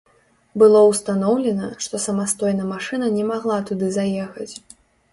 Было ўстаноўлена, што самастойна машына не магла туды заехаць.